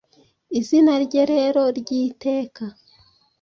izina rye rero ry'iteka